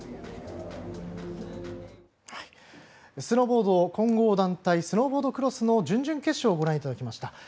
スノーボード混合団体スノーボードクロスの準々決勝をご覧いただきました。